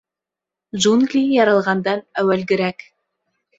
— Джунгли яралғандан әүәлгерәк.